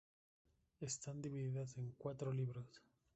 Están divididas en cuatro libros.